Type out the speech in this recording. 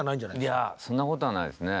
いやそんなことないですね。